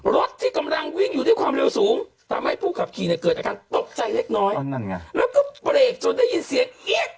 รถที่กำลังวิ่งอยู่ที่ความเร็วสูงทำให้ผู้ขับขี่เกิดอาการตกใจเล็กแล้วก็เปรกจนได้ยินเสียง